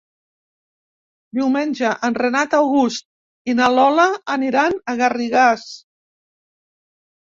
Diumenge en Renat August i na Lola aniran a Garrigàs.